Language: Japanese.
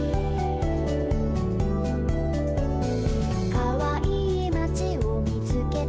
「かわいいまちをみつけたよ」